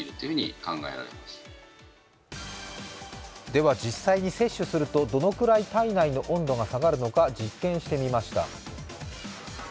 では、実際に摂取するとどのくらい体内の温度が下がるのか実験してみました。